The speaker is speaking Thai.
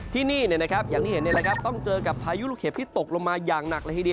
ที่นี่อย่างที่เห็นต้องเจอกับพายุลูกเห็บที่ตกลงมาอย่างหนักเลยทีเดียว